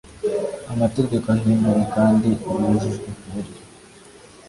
Amategeko ihinduwe kandi yujujwe ku buryo